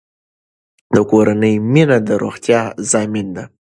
د کورنۍ مینه د روغتیا ضامن ده.